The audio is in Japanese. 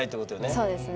はいそうですね。